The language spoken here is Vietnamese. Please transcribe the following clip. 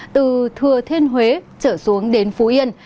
từ thừa thiên huế trở xuống đến phú yên